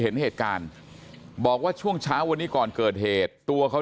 เห็นเหตุการณ์บอกว่าช่วงเช้าวันนี้ก่อนเกิดเหตุตัวเขา